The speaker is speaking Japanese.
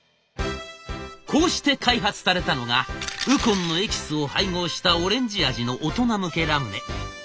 こうして開発されたのがウコンのエキスを配合したオレンジ味の大人向けラムネ。